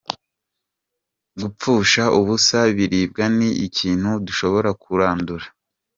Ati “Gupfusha ubusa ibiribwa ni ikintu dushobora kurandura.